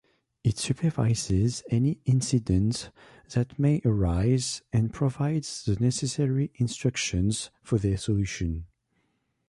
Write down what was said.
It supervises any incidents that may arise and provides the necessary instructions for their solution.